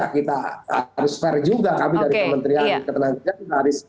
kami dari kementerian ketenangan tiga